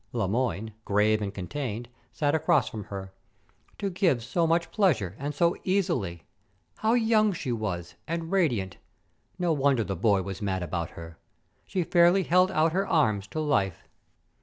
Le Moyne, grave and contained, sat across from her. To give so much pleasure, and so easily! How young she was, and radiant! No wonder the boy was mad about her. She fairly held out her arms to life.